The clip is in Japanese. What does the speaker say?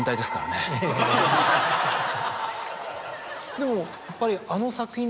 でもやっぱり。